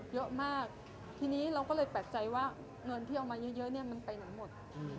เยอะมากทีนี้เราก็เลยแปลกใจว่าเงินที่เอามาเยอะเนี่ยมันไปไหนหมด